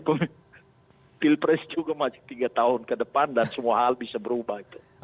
jadi pilpres juga masih tiga tahun ke depan dan semua hal bisa berubah